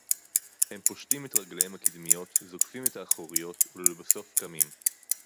הֵם פּוֹשְׁטִים אֶת רַגְלֵיהֶם הַקִּדְמִיּוֹת, זוֹקְפִים אֶת הָאֲחוֹרִיּוֹת, וּלְבַסּוֹף קָמִים